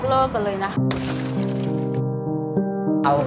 ขอบคุณครับ